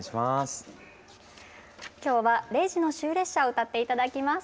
今日は「０時の終列車」を歌って頂きます。